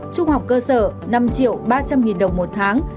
trung học cơ sở năm ba trăm linh nghìn đồng một tháng